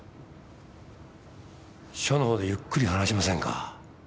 署のほうでゆっくり話しませんか？